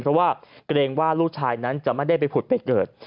เพราะว่าเกรงว่าลูกชายนั้นจะไม่ได้ไปผุดไปเกิด